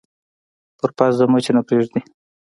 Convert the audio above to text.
پر پزه مچ نه پرېږدي